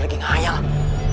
enggak enggak enggak enggak